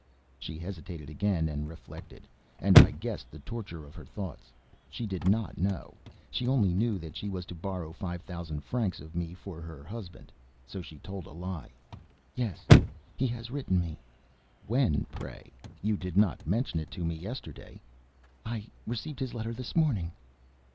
She hesitated again and reflected, and I guessed the torture of her thoughts. She did not know. She only knew that she was to borrow five thousand francs of me for her husband. So she told a lie. "Yes, he has written to me." "When, pray? You did not mention it to me yesterday." "I received his letter this morning."